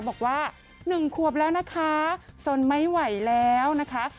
บอกว่า๑ขวบแล้วนะคะสนไม่ไหวแล้วนะคะ